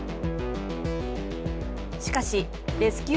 しかし、レスキュー